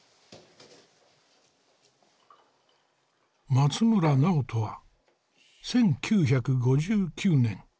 松村直登は１９５９年